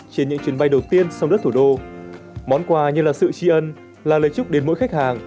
trên những chuyến bay đầu tiên sang đất thủ đô món quà như là sự tri ân là lời chúc đến mỗi khách hàng